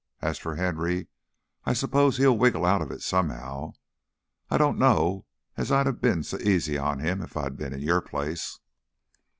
As for Henry, I s'pose he'll wiggle out of it, somehow. I dunno as I'd of been so easy on him if I'd been in your place."